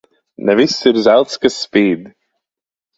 Ne viss ir zelts, kas spīd.